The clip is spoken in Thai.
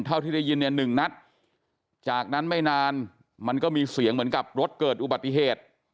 ที่ได้ยินเนี่ยหนึ่งนัดจากนั้นไม่นานมันก็มีเสียงเหมือนกับรถเกิดอุบัติเหตุ